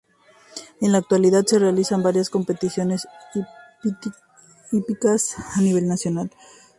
En la actualidad se realizan varias competiciones hípicas a nivel nacional.